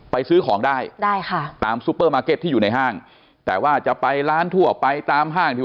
ซื้อของได้ได้ค่ะตามซูเปอร์มาร์เก็ตที่อยู่ในห้างแต่ว่าจะไปร้านทั่วไปตามห้างที่